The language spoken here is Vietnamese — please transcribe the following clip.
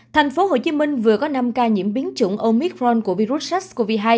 thành phố hồ chí minh vừa có năm ca nhiễm biến chủng omitron của virus sars cov hai